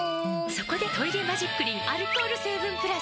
そこで「トイレマジックリン」アルコール成分プラス！